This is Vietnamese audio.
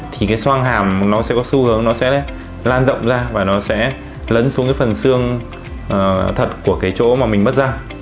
thì cái soang hàm nó sẽ có xu hướng nó sẽ lan rộng ra và nó sẽ lấn xuống cái phần xương thật của cái chỗ mà mình mất ra